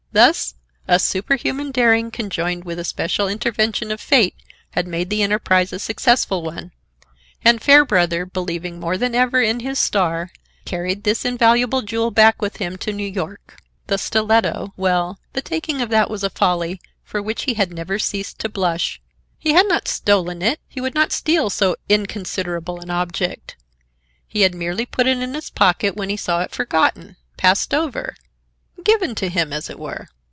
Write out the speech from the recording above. Thus a superhuman daring conjoined with a special intervention of fate had made the enterprise a successful one; and Fairbrother, believing more than ever in his star, carried this invaluable jewel back with him to New York. The stiletto—well, the taking of that was a folly, for which he had never ceased to blush. He had not stolen it; he would not steal so inconsiderable an object. He had merely put it in his pocket when he saw it forgotten, passed over, given to him, as it were.